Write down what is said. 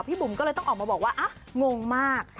บุ๋มก็เลยต้องออกมาบอกว่างงมาก